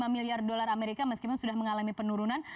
lima miliar dolar amerika meskipun sudah mengalami penurunan